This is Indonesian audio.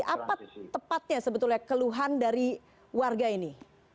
apa tepatnya sebetulnya keluhan dari warga ini